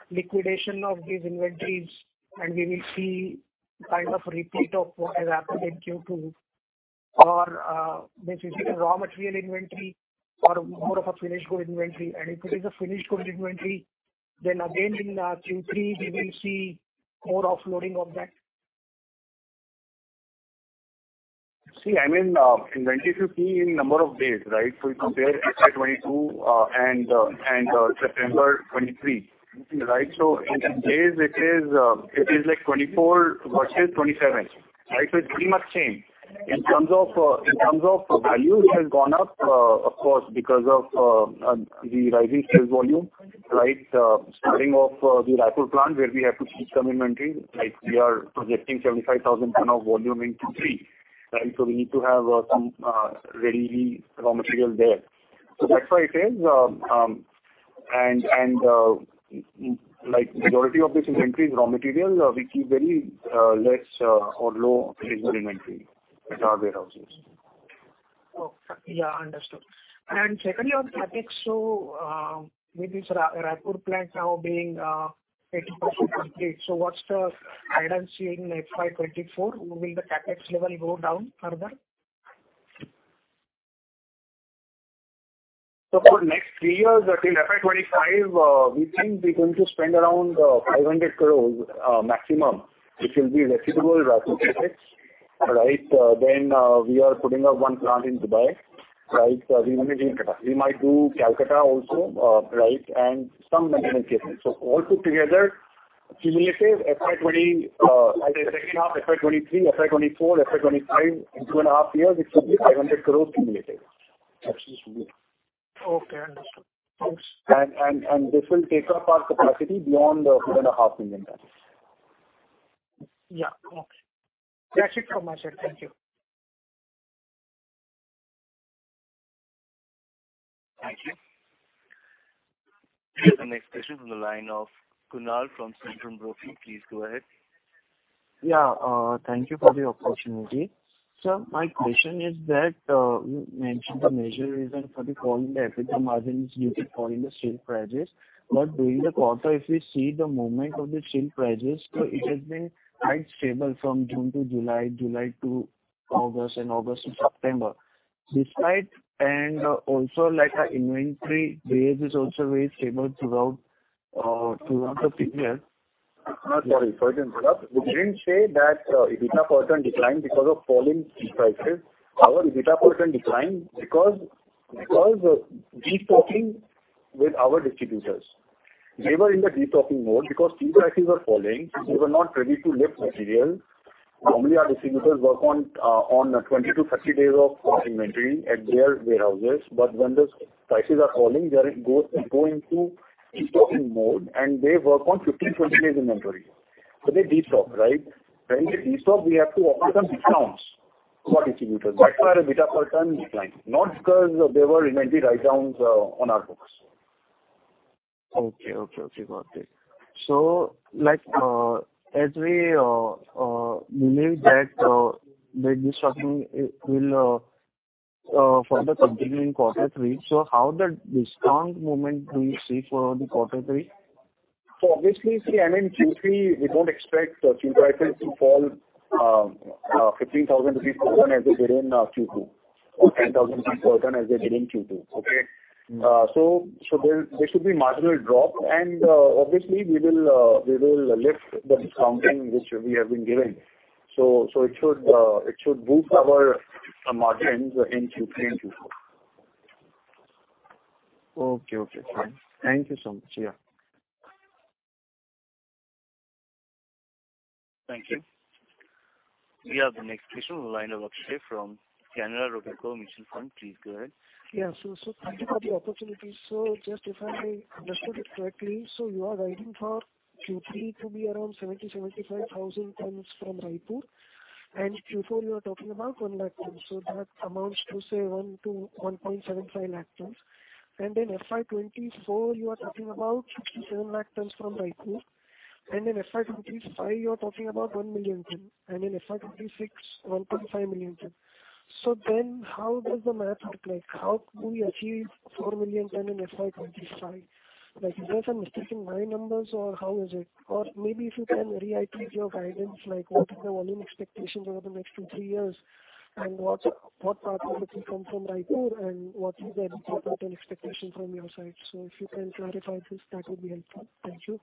liquidation of these inventories and we will see kind of repeat of what has happened in Q2 or is it a raw material inventory or more of a finished good inventory? If it is a finished good inventory, then again in Q3 we will see more offloading of that. See, I mean, inventory should be in number of days, right? You compare FY 2022 and September 2023, right? In days it is like 24 versus 27, right? It's pretty much same. In terms of value it has gone up, of course, because of the rising sales volume, right? Starting off, the Raipur plant where we have to keep some inventory. Like, we are projecting 75,000 tons of volume in Q3, right? We need to have some ready raw material there. That's why it is. Like majority of this inventory is raw material. We keep very less or low finished good inventory at our warehouses. Okay. Yeah, understood. Secondly on the CapEx, with this Raipur plant now being 80% complete, what's the guidance in FY 2024? Will the CapEx level go down further? For next three years till FY 2025, we think we're going to spend around 500 crores maximum, which will be receivable CapEx, right? Then we are putting up one plant in Dubai, right? We might do Kolkata also, right, and some maintenance cases. All put together, cumulative FY 20, I think second half FY 2023, FY 2024, FY 2025, in two and a half years it should be 500 crores cumulative. Okay, understood. Thanks. This will take up our capacity beyond 2.5 million tons. Yeah. Okay. That's it from my side. Thank you. Thank you. We have the next question on the line of Kunal from Centrum Broking. Please go ahead. Yeah. Thank you for the opportunity. Sir, my question is that, you mentioned the major reason for the fall in the EBITDA margin is due to fall in the steel prices. During the quarter if we see the movement of the steel prices, so it has been quite stable from June to July to August, and August to September. Despite and also like our inventory base is also very stable throughout, two months of the year. No, sorry. Sorry to interrupt. We didn't say that EBITDA percent declined because of falling steel prices. Our EBITDA percent declined because of destocking with our distributors. They were in the destocking mode because steel prices were falling. They were not ready to lift material. Normally, our distributors work on 20-30 days of inventory at their warehouses. When the prices are falling, they go into destocking mode, and they work on 15-20 days inventory. They destock, right? When they destock, we have to offer them discounts for distributors. That's why our EBITDA percent declined, not because there were inventory write-downs on our books. Okay. Got it. Like, as we believe that the destocking will further continue in quarter three, how do you see the discount movement for quarter three? Obviously, see, I mean, Q3 we don't expect steel prices to fall 15,000 rupees per ton as they did in Q2 or 10,000 rupees per ton as they did in Q2. Okay. So there should be marginal drop. Obviously we will lift the discounting which we have been giving. So it should boost our margins in Q3 and Q4. Okay. Okay, fine. Thank you so much. Yeah. Thank you. We have the next question in line of Akshay from Canara Robeco Mutual Fund. Please go ahead. Thank you for the opportunity. Just if I understood it correctly, you are guiding for Q3 to be around 70,000-75,000 tons from Raipur, and Q4 you are talking about 1 lakh tons, so that amounts to, say, 1-1.75 lakh tons. FY 2024, you are talking about 67 lakh tons from Raipur. In FY 2025, you are talking about 1 million tons. In FY 2026, 1.5 million tons. How does the math look like? How do we achieve 4 million tons in FY 2025? Like, is there some mistake in my numbers or how is it? Maybe if you can reiterate your guidance, like what is the volume expectations over the next 2-3 years, and what part of it will come from Raipur and what is the EBITDA ton expectation from your side? If you can clarify this, that would be helpful. Thank you.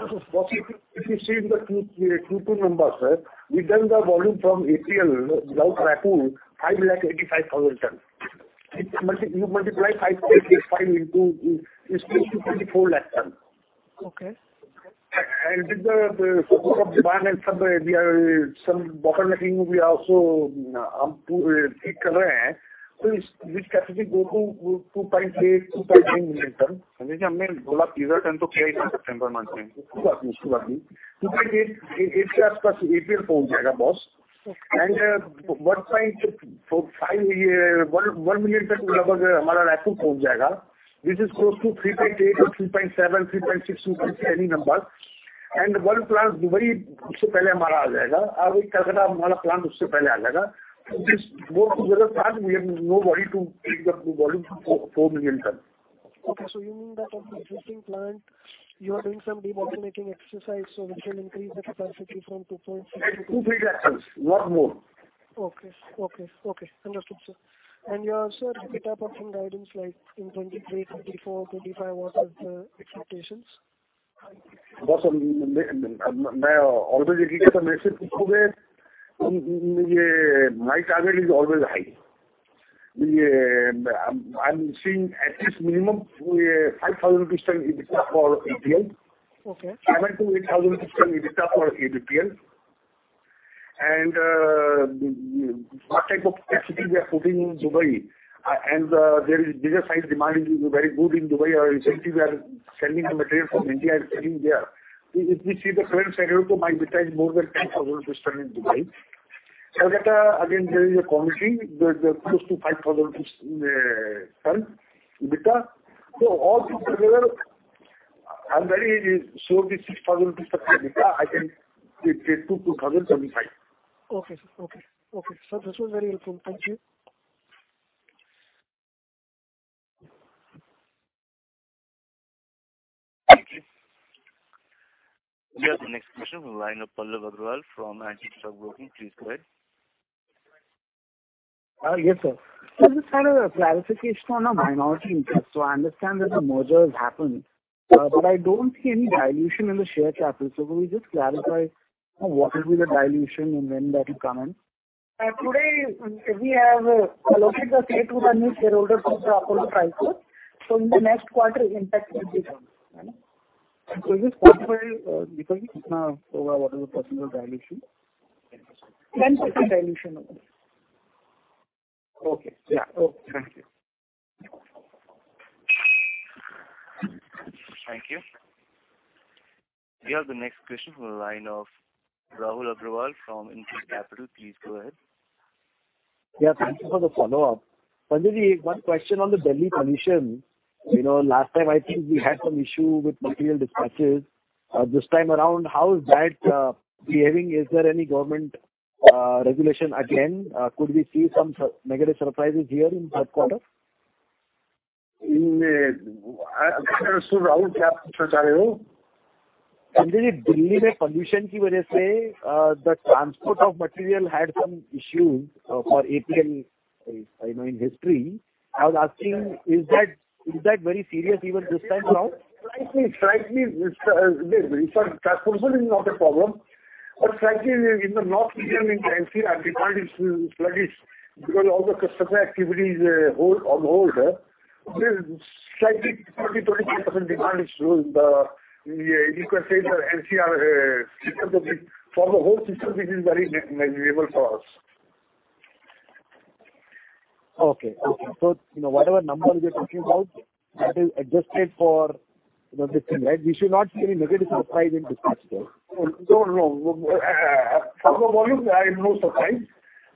If you see in the Q2 numbers, sir, we done the volume from APL without Raipur, 5 lakh to 85 tons. If you multiply five eighty-five into, it's close to 24 lakh tons. Okay. With the support of Raipur and some, we are some bottlenecking. We are also to take. Okay. 1.5, 1.1 million tons whatever our Raipur reaches. This is close to 3.8 or 3.7, 3.6, 3. any number. One plant Dubai. Okay. 2-3 lakh tons, not more. Okay. Understood, sir. Your, sir, EBITDA margin guidance, like in 2023, 2024, 2025, what are the expectations? Boss, always I give the message. Okay, sir. Sir, this was very helpful. Thank you. Thank you. We have the next question in line of Pallav Agrawal from Antique Stock Broking. Please go ahead. Yes, sir. Just a kind of a clarification on our minority interest. I understand that the merger has happened, but I don't see any dilution in the share capital. Could we just clarify, you know, what will be the dilution and when that will come in? Today we have allocated the share to the new shareholder called Apollo Tricoat. In the next quarter, impact will be there. Just quantify, because 10% dilution only. Okay. Yeah. Thank you. Thank you. We have the next question from the line of Rahul Agarwal from InCred Capital. Please go ahead. Yeah, thank you for the follow-up. Pandita, one question on the Delhi permission. You know, last time I think we had some issue with material dispatches. This time around, how is that behaving? Is there any government regulation again? Could we see some sudden negative surprises here in third quarter? I understood, Rahul, what you are trying to say. Sanjay, Delhi mein pollution ki wajah se, the transport of material had some issues for APL, you know, in history. I was asking is that very serious even this time around? Slightly. Sorry, transport is not a problem, but slightly in the north region, in NCR, demand is sluggish because all the customer activity is on hold. Slightly 25% demand is low in the, you can say, the NCR, for the whole system it is very negligible for us. Okay. You know, whatever number we are talking about that is adjusted for, you know, this thing, right? We should not see any negative surprise in dispatch, though. No, no. For the volumes, there are no surprise.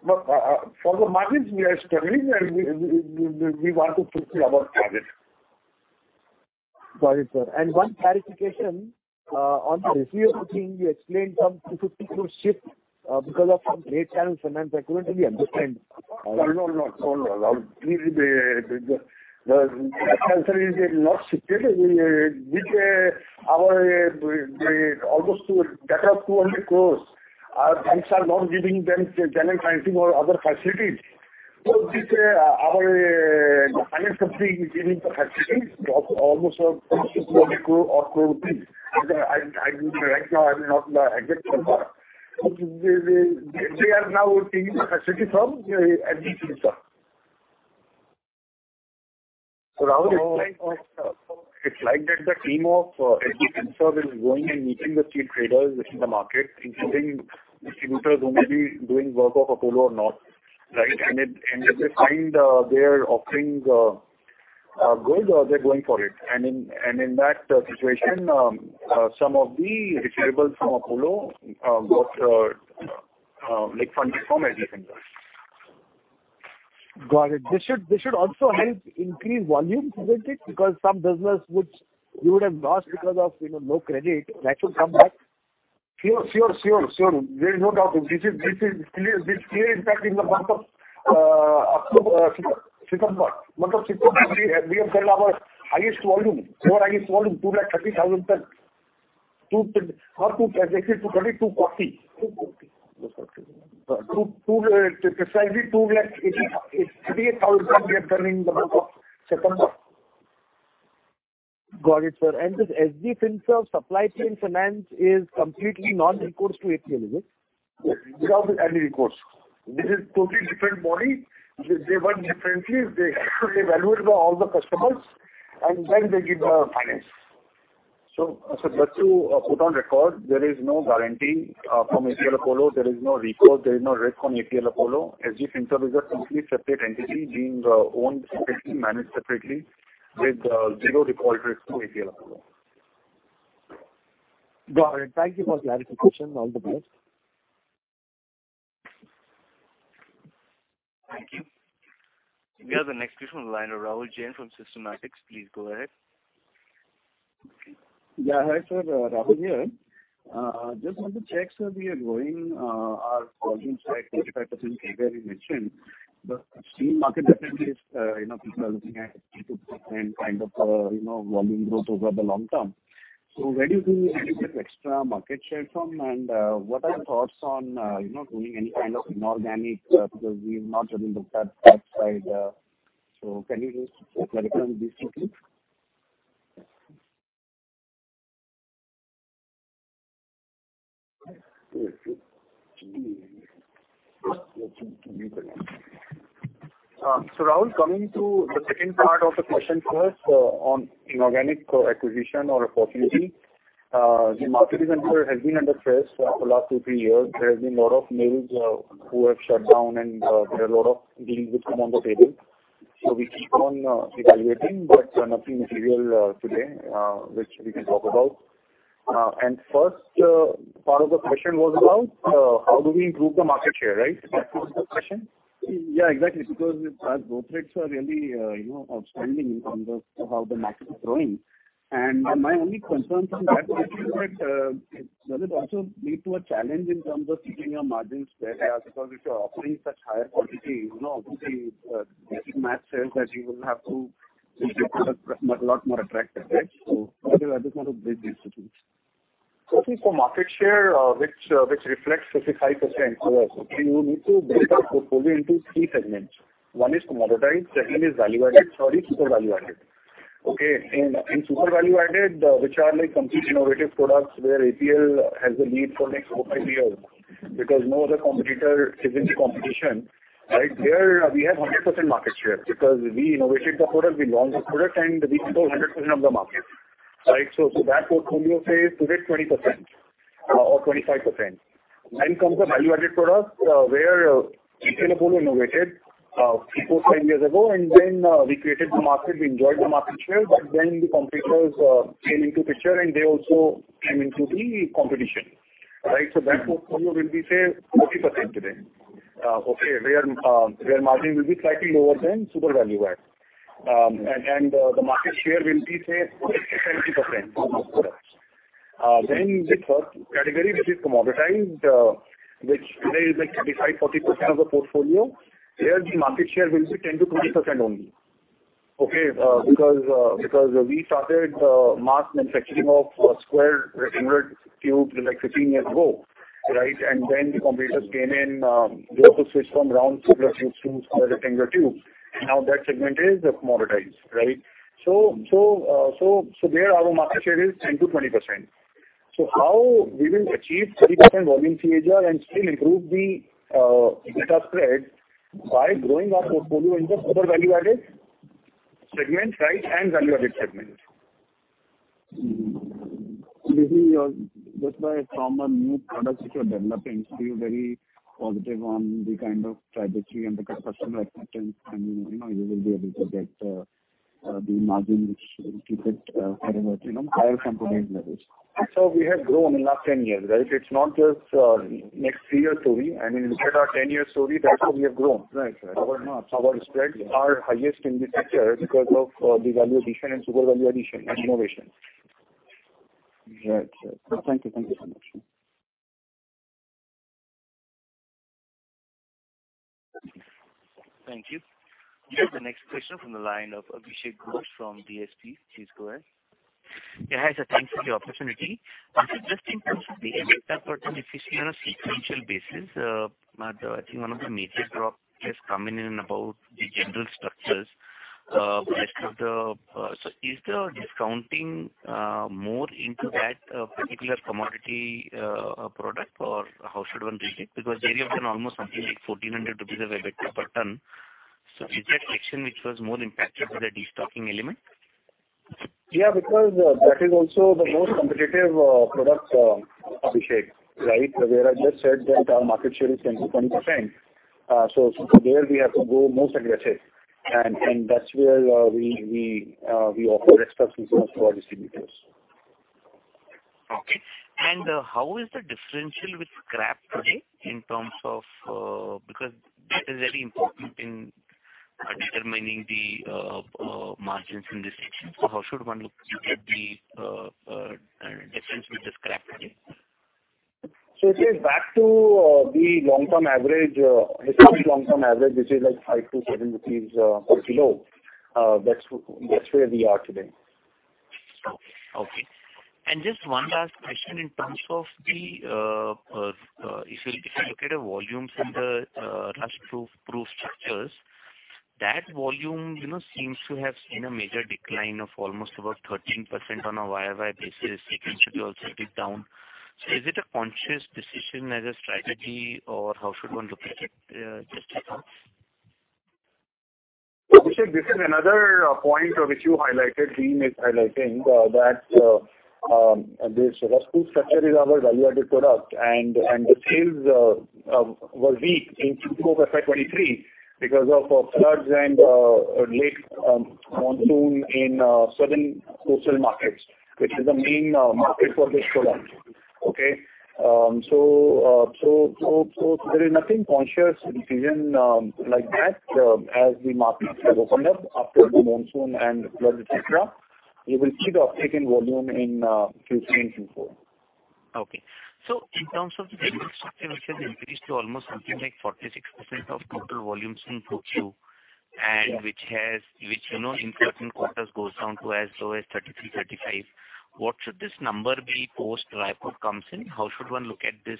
For the margins, we are struggling and we want to fulfill our target. Got it, sir. One clarification on the receivable thing. You explained some 54 shipments because of some late payments from them. I couldn't really understand. No, no. Please, the late payment is not shifted. The almost two that are truly close. Our banks are not giving them general financing or other facilities. This, our finance company is giving the facilities of almost INR 54 crore or close to it. I right now don't have the exact number. They are now taking the facility from SG Finserve. Rahul, it's like that the team of SG Finserve is going and meeting the key traders within the market, including distributors who may be doing work of Apollo or not, right? If they find their offerings are good, they're going for it. In that situation, some of the receivables from Apollo got like funded from SG Finserve. Got it. This should also help increase volumes, isn't it? Because some business which you would have lost because of, you know, no credit that should come back. Sure. There is no doubt. This is clear. This clear impact in the month of September. In the month of September, we have done our highest volume, precisely 288,000 tons. Got it, sir. This SG Finserve supply chain finance is completely non-recourse to APL, is it? Yes. Without any recourse. This is totally different entity. They work differently. They actually evaluate all the customers and then they give the finance. Sir, just to put on record, there is no guarantee from APL Apollo. There is no recourse. There is no risk on APL Apollo. SG Finserve is a completely separate entity, being owned separately, managed separately with zero default risk to APL Apollo. Got it. Thank you for clarification. All the best. Thank you. We have the next question on the line of Rahul Jain from Systematix. Please go ahead. Yeah. Hi sir, Rahul here. Just want to check, sir. We are growing our volumes by 25% year-over-year mentioned, but steel market definitely is, you know, people are looking at 8%-10% kind of, you know, volume growth over the long term. Where do you think we will get extra market share from? And, what are your thoughts on, you know, doing any kind of inorganic, because we've not really looked at that side. Can you just clarify on these two things? Rahul, coming to the second part of the question first, on inorganic acquisition or a possibility. The market, even sir, has been under stress for the last 2-3 years. There have been a lot of mills who have shut down, and there are a lot of deals which come on the table. We keep on evaluating, but nothing material today which we can talk about. First part of the question was about how do we improve the market share, right? That was the question. Yeah, exactly. Because our growth rates are really, you know, outstanding in terms of how the market is growing. My only concern from that perspective is that, does it also lead to a challenge in terms of keeping your margins there? Because if you're offering such higher quality, you know, obviously, basic math says that you will have to make it a lot more attractive, right? I just want to bridge these two things. Okay. Market share, which reflects 55%+, okay, you need to break our portfolio into three segments. One is commoditized, second is value added, third is super value added. Okay? In super value added, which are like completely innovative products, where APL has a lead for next 4-5 years because no other competitor is in the competition, right? There we have 100% market share because we innovated the product, we launched the product and we control 100% of the market, right? That portfolio, say, today 20% or 25%. Comes the value-added products, where APL Apollo innovated, 3-5 years ago. We created the market, we enjoyed the market share, but then the competitors came into picture, and they also came into the competition, right? That portfolio will be, say, 40% today. Where margin will be slightly lower than super value add. The market share will be, say, 40%-70% of those products. The third category which is commoditized, which today is like 35%-40% of the portfolio. Here the market share will be 10%-20% only. Because we started mass manufacturing of square rectangular tubes like 15 years ago, right? Then the competitors came in, they have to switch from round tubes to square rectangular tubes. Now that segment is commoditized, right? There our market share is 10%-20%. How we will achieve 30% volume CAGR and still improve the EBITDA spread by growing our portfolio into super value-added segments, right, and value-added segments. Just by some new products which you're developing, feel very positive on the kind of trajectory and the customer acceptance and, you know, you will be able to get the margin which you could, you know, higher from today's levels. We have grown in last 10 years, right? It's not just next three years story. I mean, look at our 10 years story, that's how we have grown. Right, right. Our spreads are highest in this sector because of the value addition and super value addition and innovation. Right. Thank you so much. Thank you. We have the next question from the line of Abhishek Ghosh from DSP. Please go ahead. Yeah, hi sir. Thanks for the opportunity. Just in terms of the EBITDA per ton, especially on a sequential basis, Madhav, I think one of the major drop has come in about the general structures. Is the discounting more into that particular commodity product or how should one read it? Because there you have been almost something like 1,400 rupees of EBITDA per ton. Is that section which was more impacted with the destocking element? Yeah, because that is also the most competitive product, Abhishek, right? Where I just said that our market share is 10%-20%. There we have to go more aggressive and that's where we offer extra features to our distributors. Okay. How is the differential with scrap today in terms of, because that is very important in determining the margins in this section? How should one look at the difference with the scrap today? It is back to the long-term average, historic long-term average, which is like 5/kg-7 rupees/kg. That's where we are today. Just one last question in terms of the, if you look at the volumes in the rustproof structures, that volume, you know, seems to have seen a major decline of almost about 13% on a YoY basis, sequentially also a bit down. Is it a conscious decision as a strategy or how should one look at it, just to know? Abhishek, this is another point which you highlighted that this rustproof structure is our value-added product and the sales were weak in Q2 FY 2023 because of floods and late monsoon in southern coastal markets, which is the main market for this product. Okay. So there is no conscious decision like that. As the markets have opened up after the monsoon and flood, et cetera, you will see the uptick in volume in Q3 and Q4. Okay. In terms of the general structure which has increased to almost something like 46% of total volumes in Q2. Which has, you know, in certain quarters goes down to as low as 33%-35%. What should this number be post Raipur comes in? How should one look at this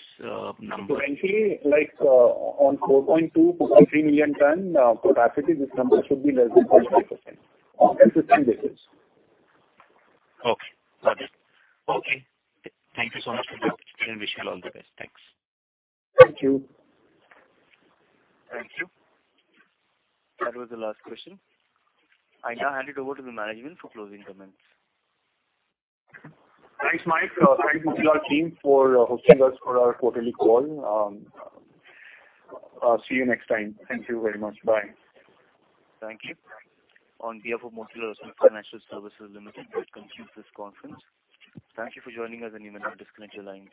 number? Currently, like, on 4.2-3 million tons, for Raipur this number should be less than 45% on consistent basis. Okay, got it. Okay. Thank you so much, Sanjay. Wish you all the best. Thanks. Thank you. Thank you. That was the last question. I now hand it over to the management for closing comments. Thanks, Mike. Thanks to the team for hosting us for our quarterly call. See you next time. Thank you very much. Bye. Thank you. On behalf of Motilal Oswal Financial Services Limited, that concludes this conference. Thank you for joining us and you may now disconnect your lines.